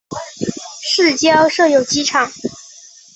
市郊设有机场。